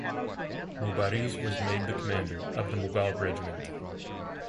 Mubariz was made the commander of the Mughal regiment.